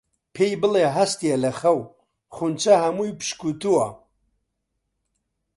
پێی بڵێ هەستێ لە خەو، خونچە هەموو پشکووتووە